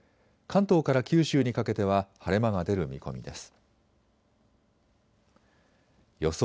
関東から九州にかけては晴れ間が出る見込みです。